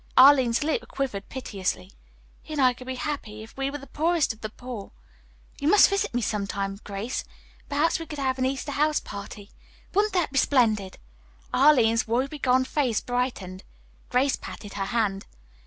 Arline's lip quivered piteously. "He and I could be happy if we were the poorest of the poor. You must visit me some time, Grace. Perhaps we could have an Easter house party. Wouldn't that be splendid?" Arline's woe be gone face brightened. Grace patted her hand.